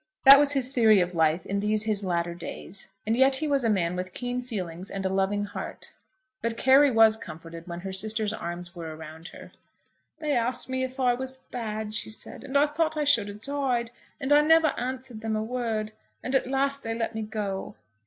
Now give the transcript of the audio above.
That was his theory of life in these his latter days; and yet he was a man with keen feelings and a loving heart. But Carry was comforted when her sister's arms were around her. "They asked me if I was bad," she said, "and I thought I should a' died, and I never answered them a word, and at last they let me go."